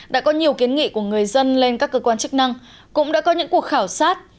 đã có nhiều kiến nghị của người dân lên các cơ quan chức năng cũng đã có những cuộc khảo sát